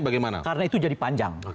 bagaimana karena itu jadi panjang